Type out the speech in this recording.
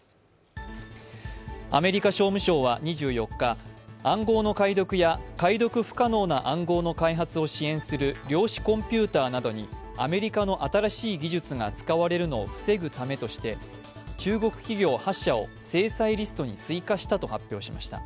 アメリカ商務省は２４日、暗号の解読や解読不可能な暗号の開発を支援する量子コンピューターなどにアメリカの新しい技術が使われるのを防ぐためとして中国企業８社を制裁リストに追加したと発表しました。